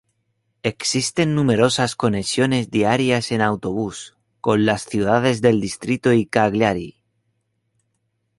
Existen numerosas conexiones diarias en autobús con las ciudades del distrito y Cagliari.